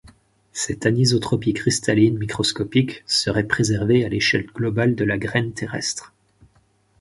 Cette anisotropie cristalline microscopique serait préservée à l'échelle globale de la graine terrestre.